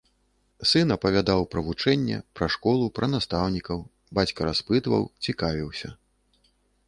Сын апавядаў пра вучэнне, пра школу, пра настаўнікаў, бацька распытваў, цікавіўся.